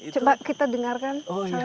coba kita dengarkan